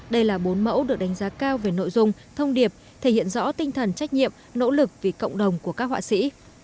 đây là bốn mẫu được đánh giá cao về nội dung thông điệp thể hiện rõ tinh thần trách nhiệm nỗ lực vì cộng đồng của các họa sĩ